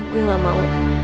gue gak mau